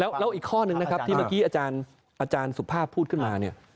แล้วอีกข้อนึงนะครับที่เมื่อกี้อาจารย์สุภาพพูดขึ้นมาเนี่ย